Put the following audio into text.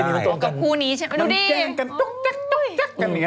เคมีมันต่อกับคู่นี้ใช่ไหมดูดิมันแจงกันตุ๊กตุ๊กตุ๊กกันเนี่ย